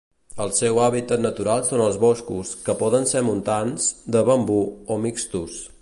El seu hàbitat natural són els boscos, que poden ser montans, de bambú o mixtos.